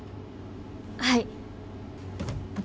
はい。